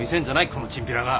このチンピラが！